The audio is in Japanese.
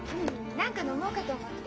何か飲もうかと思って。